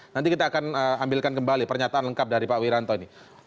nanti kita akan ambilkan kembali pernyataan lengkap dari pak wiranto ini